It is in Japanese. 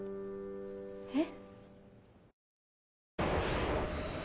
えっ？